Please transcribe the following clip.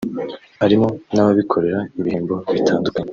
harimo n’ababikorera ibihembo bitandukanye